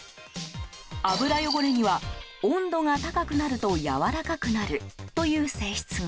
油汚れには、温度が高くなるとやわらかくなるという性質が。